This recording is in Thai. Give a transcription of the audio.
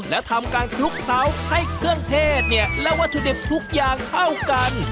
และทำการคลุกเคล้าให้เครื่องเทศและวัตถุดิบทุกอย่างเข้ากัน